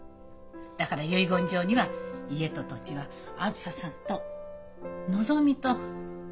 だから遺言状には家と土地はあづささんとのぞみと達也に譲るって書いとく。